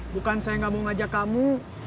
bukan saya gak mau ngajak kamu